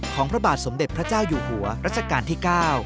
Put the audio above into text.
พระบาทสมเด็จพระเจ้าอยู่หัวรัชกาลที่๙